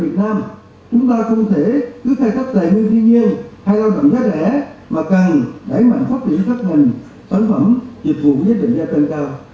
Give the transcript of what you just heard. tổ chức nhất là đang cố gắng đẩy mạnh phát triển các ngành sản phẩm dịch vụ giới thiệu gia tăng cao